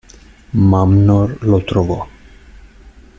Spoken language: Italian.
Mamnor lo trovò.